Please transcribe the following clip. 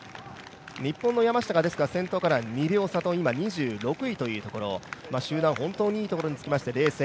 日本の山下が、先頭から２秒差と今、２６位というところ、集団のいいところにつきまして冷静。